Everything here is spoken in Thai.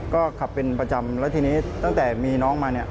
ก็ขับเป็นประจำแล้วทีนี้ตั้งแต่มีน้องมาเนี่ย